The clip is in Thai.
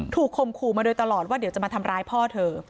คมขู่มาโดยตลอดว่าเดี๋ยวจะมาทำร้ายพ่อเธอ